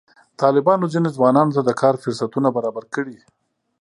طالبانو ځینو ځوانانو ته د کار فرصتونه برابر کړي.